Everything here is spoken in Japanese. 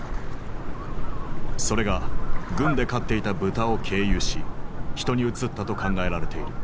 それが軍で飼っていた豚を経由し人にうつったと考えられている。